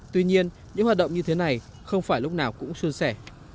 tuy nhiên những hoạt động như thế này không phải lúc nào cũng xuân sẻ